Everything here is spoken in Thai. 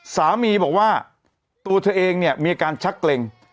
สามีบอกว่าตัวเธอเองเนี่ยมีอาการชักเกร็ง